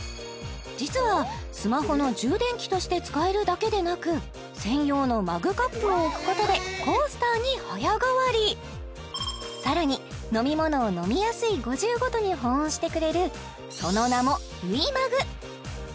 実はスマホの充電器として使えるだけでなく専用のマグカップを置くことでコースターに早変わりさらに飲み物を飲みやすい５５度に保温してくれるその名もＵｉＭｕｇ